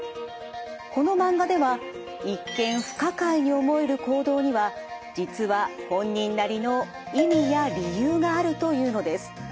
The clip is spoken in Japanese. このマンガでは一見不可解に思える行動には実は本人なりの意味や理由があるというのです。